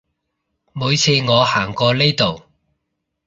每次我行過呢度